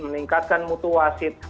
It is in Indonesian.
meningkatkan mutu wasit